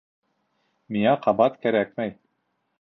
Миңә ҡабат кәрәкмәй.